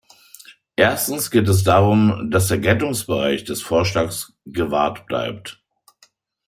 Erstens geht es darum, dass der Geltungsbereich des Vorschlags gewahrt bleibt.